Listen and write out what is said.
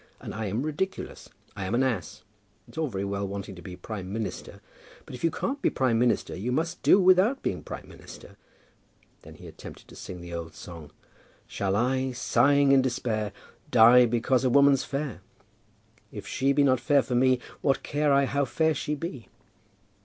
And I am ridiculous. I am an ass. It's all very well wanting to be prime minister; but if you can't be prime minister, you must do without being prime minister." Then he attempted to sing the old song "Shall I, sighing in despair, die because a woman's fair? If she be not fair for me, what care I how fair she be?"